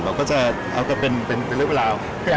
เราก็จะเป็นร่วมเวลา